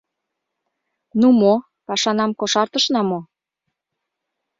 — Ну мо, пашанам кошартышна мо?